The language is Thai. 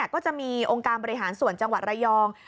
ก็จะมีองค์การบริหารส่วนจังหวัดระยอง